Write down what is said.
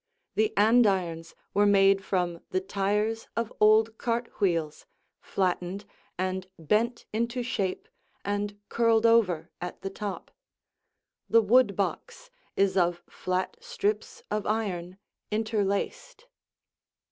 The andirons were made from the tires of old cart wheels, flattened and bent into shape and curled over at the top. The wood box is of flat strips of iron interlaced.